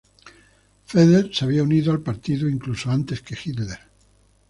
Feder se había unido al partido incluso antes que Hitler.